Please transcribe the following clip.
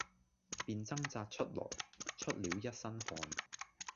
便掙扎出來，出了一身汗。